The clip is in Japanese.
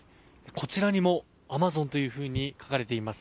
こちらに「Ａｍａｚｏｎ」というふうに書かれています。